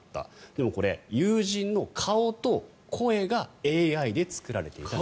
でもこれ、友人の顔と声がＡＩで作られていた。